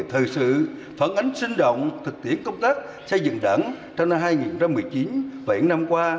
thời sự phản ánh sinh động thực tiễn công tác xây dựng đẳng trong năm hai nghìn một mươi chín và những năm qua